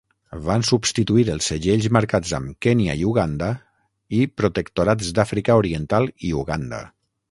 Van substituir els segells marcats amb "Kenya i Uganda" i "Protectorats d'Àfrica Oriental i Uganda".